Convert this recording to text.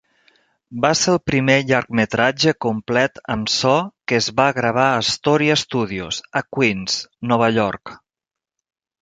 Va ser el primer llargmetratge complet amb so que es va gravar a Astoria Studios, a Queens (Nova York).